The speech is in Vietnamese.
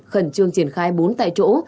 khẩn trương triển khai bốn tại chỗ